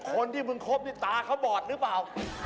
คนที่มึงคบนี่ตาเขาบอดหรือเปล่า